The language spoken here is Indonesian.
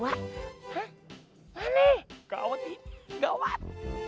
hah gane gawat ini gawat